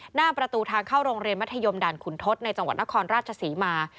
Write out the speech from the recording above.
หน้าประตูทางเข้าโรงเรียนมัธยมด่านขุนทศในจังหวัดนครราชศรีมา